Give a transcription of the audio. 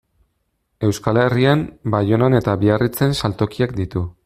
Euskal Herrian, Baionan eta Biarritzen saltokiak ditu.